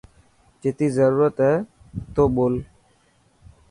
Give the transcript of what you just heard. جتي ضرورت هي اوتو جول.